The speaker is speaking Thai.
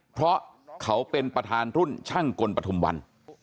เพราะเขาเป็นประธานรุ่นช่างกลปฐุมวัน